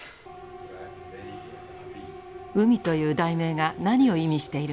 「海」という題名が何を意味しているのか。